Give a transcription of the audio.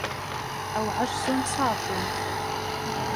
أَوْ عَجْزٌ صَادٌّ